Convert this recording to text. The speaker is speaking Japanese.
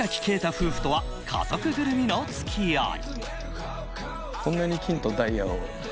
夫婦とは家族ぐるみの付き合い。